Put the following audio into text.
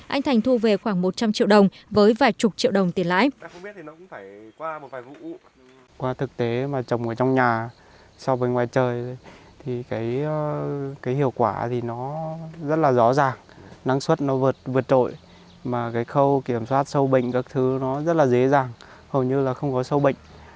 anh thành thu về khoảng một trăm linh triệu đồng với vài chục triệu đồng tiền lãi